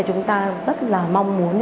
chúng ta rất là mong muốn